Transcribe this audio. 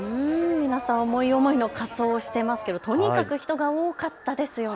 皆さん、思い思いの仮装をしてますけどとにかく人が多かったですよ。